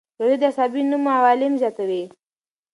روژه د عصبي نمو عوامل زیاتوي.